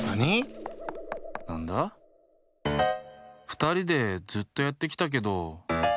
ふたりでずっとやってきたけど。